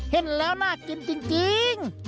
เห็นแล้วน่ากินจริง